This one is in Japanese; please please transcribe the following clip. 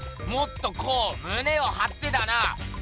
もっとこうむねをはってだな。